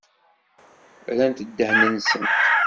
Rrant ddehn-nsent.